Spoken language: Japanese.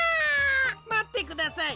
まってください。